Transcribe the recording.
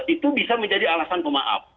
itu bisa menjadi alasan pemaaf